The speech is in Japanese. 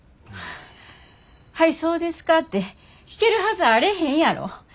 はいそうですかて聞けるはずあれへんやろ。